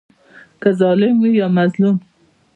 که ظالم وي یا مظلوم.